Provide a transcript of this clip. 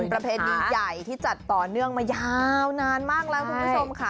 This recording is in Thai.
ประเพณีใหญ่ที่จัดต่อเนื่องมายาวนานมากแล้วคุณผู้ชมค่ะ